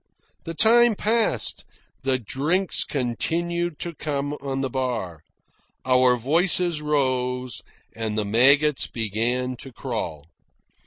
The time passed, the drinks continued to come on the bar, our voices rose, and the maggots began to crawl.